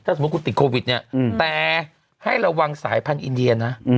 สมมุติคุณติดโควิดเนี่ยแต่ให้ระวังสายพันธุอินเดียนะ